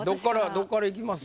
どっからいきます？